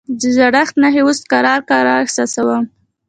د زړښت نښې اوس کرار کرار احساسوم.